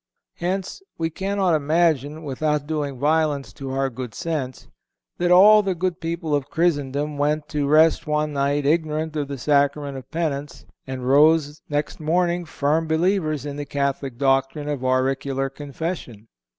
Hence, we cannot imagine, without doing violence to our good sense, that all the good people of Christendom went to rest one night ignorant of the Sacrament of Penance, and rose next morning firm believers in the Catholic doctrine of auricular Confession.